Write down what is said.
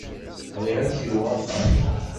Bɣiɣ ad kruɣ axxam.